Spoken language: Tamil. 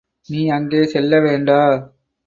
நீ அங்கே செல்ல வேண்டா.